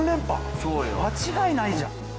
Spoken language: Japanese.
間違いないじゃん。